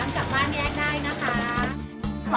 กลับบ้านแยกได้นะคะ